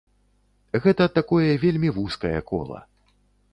Гэта такое вельмі вузкае кола.